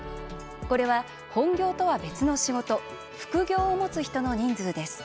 これは本業とは別の仕事副業をもつ人の人数です。